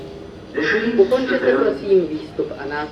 D acu i yi-d-tessutrem?